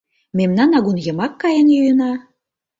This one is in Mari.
Мемнан агун йымак каен йӱына.